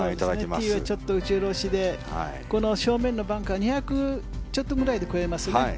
ティーはちょっと打ち下ろしで正面のバンカー２００ちょっとぐらいで越えますね。